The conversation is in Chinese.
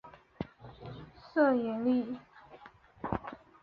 色萨利。